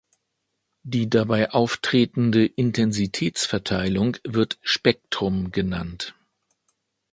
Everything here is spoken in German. Die dabei auftretende Intensitätsverteilung wird Spektrum genannt.